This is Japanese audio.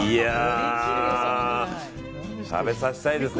食べさせたいですね